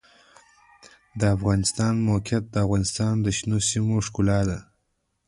د افغانستان د موقعیت د افغانستان د شنو سیمو ښکلا ده.